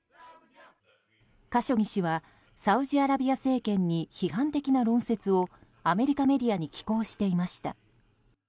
カショギ氏はサウジアラビア政権に批判的な論説をアメリカメディアに寄稿していました。